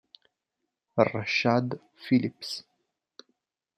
Rashad Phillips